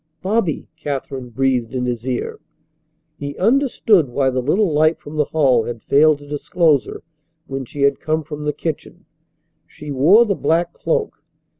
"Bobby!" Katherine breathed in his ear. He understood why the little light from the hall had failed to disclose her when she had come from the kitchen. She wore the black cloak.